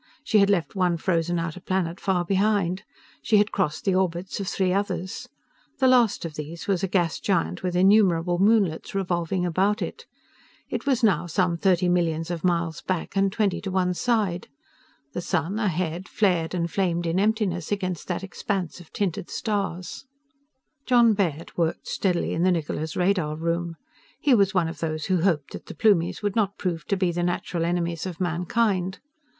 She had left one frozen outer planet far behind. She had crossed the orbits of three others. The last of these was a gas giant with innumerable moonlets revolving about it. It was now some thirty millions of miles back and twenty to one side. The sun, ahead, flared and flamed in emptiness against that expanse of tinted stars. Jon Baird worked steadily in the Niccola's radar room. He was one of those who hoped that the Plumies would not prove to be the natural enemies of mankind.